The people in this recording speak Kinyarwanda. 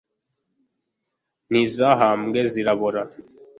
ntizahambwe zirabora